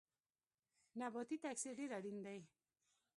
نباتي تکثیر ډیر اړین دی